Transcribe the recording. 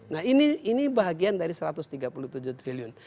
nah ini bahagian dari rp satu ratus tiga puluh tujuh triliun